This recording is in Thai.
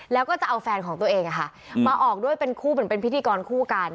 แล้วก็จะเอาแฟนของตัวเองมาออกด้วยเป็นคู่เหมือนเป็นพิธีกรคู่กัน